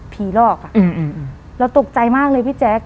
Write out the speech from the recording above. หลอกเราตกใจมากเลยพี่แจ๊ค